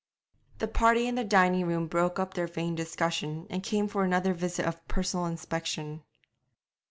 The party in the dining room broke up their vain discussion, and came for another visit of personal inspection.